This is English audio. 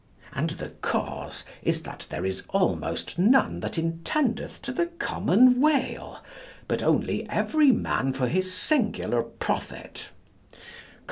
And the cause is that there is almost none that intendeth to the common weal, but only every man for his singular profit Oh!